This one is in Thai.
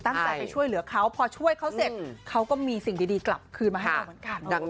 พอช่วยเขาเสร็จเขาก็มีสิ่งดีกลับคืนมาให้เราเหมือนกัน